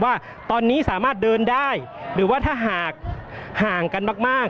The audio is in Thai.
ว่าตอนนี้สามารถเดินได้หรือว่าถ้าหากห่างกันมาก